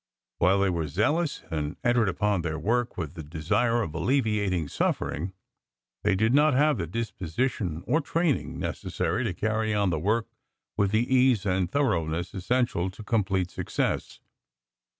While they were zealous and entered upon their work with the desire of alleviating suffering, they did not have the disposition or training necessary to carry on the work with the ease and thoroughness essential to complete success.